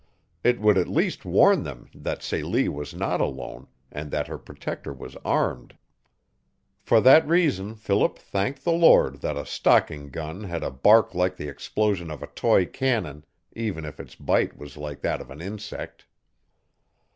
It would at least warn them that Celie was not alone, and that her protector was armed. For that reason Philip thanked the Lord that a "stocking" gun had a bark like the explosion of a toy cannon even if its bite was like that of an insect.